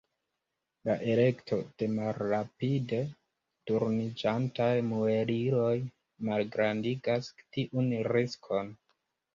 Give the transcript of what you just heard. La elekto de malrapide turniĝantaj mueliloj malgrandigas tiun riskon.